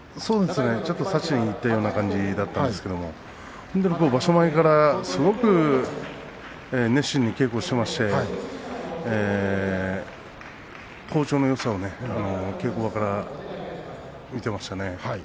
ちょっと差しにいったような感じだったんですけど場所前からすごく熱心に稽古をしていまして好調のよさを、稽古場から見ていました。